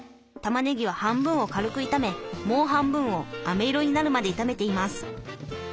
たまねぎは半分を軽く炒めもう半分をあめ色になるまで炒めています。